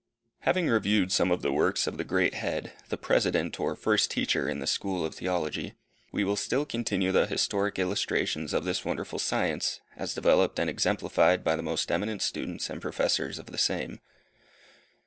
Having reviewed some of the works of the great Head the President or First Teacher in the school of Theology, we will still continue the historic illustrations of this wonderful science, as developed and exemplified by the most eminent students and professors of the same.